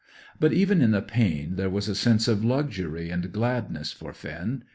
But even in the pain there was a sense of luxury and gladness for Finn.